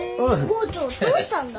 郷長どうしたんだ？